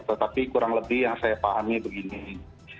tetapi kurang lebih yang saya pahami begini